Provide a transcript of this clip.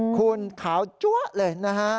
คุณขาวจ๊วะเลย